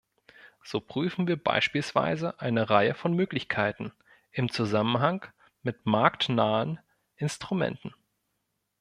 So prüfen wir beispielsweise eine Reihe von Möglichkeiten im Zusammenhang mit marktnahen Instrumenten.